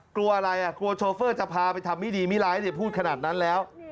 กลัวอะไรกลัวโชเฟอร์จะพาไปทำไม่ดีไม่ร้ายพูดขนาดนั้นแล้ว